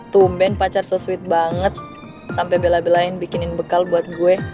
tumben pacar so sweet banget sampe bela belain bikinin bekal buat gue